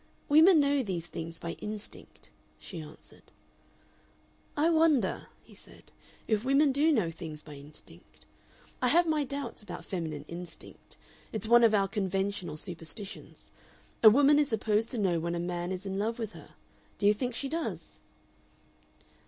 "Women know these things by instinct," she answered. "I wonder," he said, "if women do know things by instinct? I have my doubts about feminine instinct. It's one of our conventional superstitions. A woman is supposed to know when a man is in love with her. Do you think she does?"